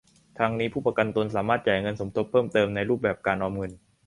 ทั้งนี้ผู้ประกันตนสามารถจ่ายเงินสมทบเพิ่มเติมในรูปแบบการออมเงิน